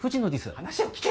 話を聞け！